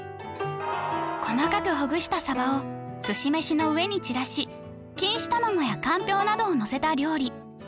細かくほぐしたサバをすし飯の上に散らし錦糸卵やかんぴょうなどをのせた料理